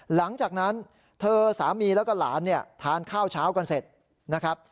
หลังจากนั้นเธอสามีแล้วก็หลานเนี่ยทานข้าวเช้ากันเสร็จนะครับ